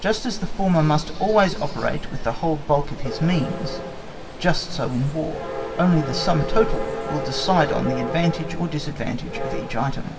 Just as the former must always operate with the whole bulk of his means, just so in War, only the sum total will decide on the advantage or disadvantage of each item.